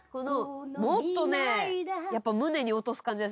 もっとねやっぱ胸に落とす感じですね。